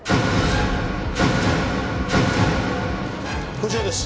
こちらです。